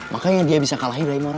makanya dia bisa kalahi rey moraga